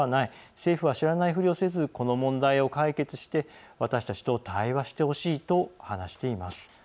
政府は知らないふりをせずこの問題を解決して私たちと対話してほしいと話しています。